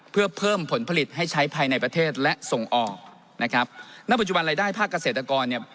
เพื่อเพิ่มผลผลิตให้ใช้ภายในประเทศและส่งออกนะครับณปัจจุบันรายได้ภาคเกษตรกรเนี่ย